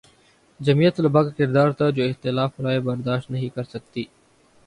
جمعیت طلبہ کا کردار تھا جو اختلاف رائے برداشت نہیں کر سکتی